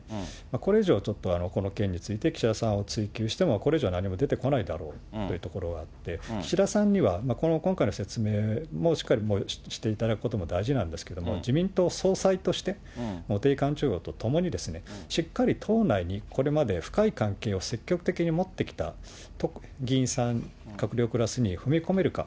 これ以上、ちょっと、この件について岸田さんを追及してもこれ以上、何も出てこないだろうというところがあって、岸田さんには、今回の説明もしっかりしていただくことも大事なんですけれども、自民党総裁として、茂木幹事長らと共に、しっかり党内にこれまで深い関係を積極的に持ってきた議員さん、閣僚クラスに踏み込めるか。